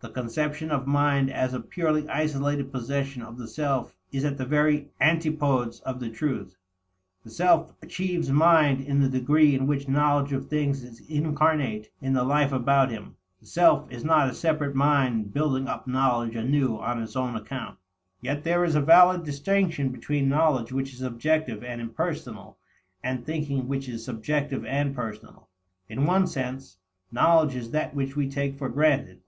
The conception of mind as a purely isolated possession of the self is at the very antipodes of the truth. The self achieves mind in the degree in which knowledge of things is incarnate in the life about him; the self is not a separate mind building up knowledge anew on its own account. Yet there is a valid distinction between knowledge which is objective and impersonal, and thinking which is subjective and personal. In one sense, knowledge is that which we take for granted.